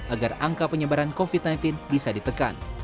agar angka penyebaran covid sembilan belas bisa ditekan